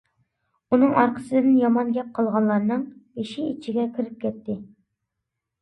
ئۇنىڭ ئارقىسىدىن يامان گەپ قىلغانلارنىڭ بېشى ئىچىگە كىرىپ كەتتى.